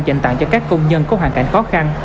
dành tặng cho các công nhân có hoàn cảnh khó khăn